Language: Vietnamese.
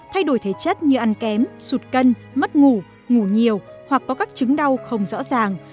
thay đổi thể chất như ăn kém sụt cân mất ngủ ngủ nhiều hoặc có các chứng đau không rõ ràng